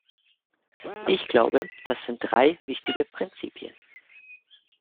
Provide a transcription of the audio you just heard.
Ich glaube, das sind drei wichtige Prinzipien.